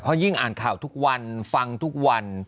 ยิ่งอ่านข่าวทุกวันฟังทุกวัน